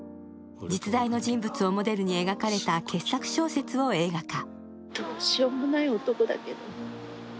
実在の人物をモデルに描かれた傑作小説を映画化。